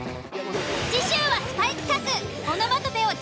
次週はスパイ企画。